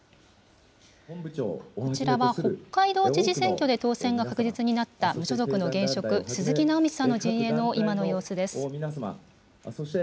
こちらは北海道知事選挙で当選が確実になった無所属の現職、鈴木直道さんの陣営の今の様子です。